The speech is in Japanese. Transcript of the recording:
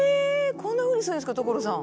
こんなふうにするんですか所さん。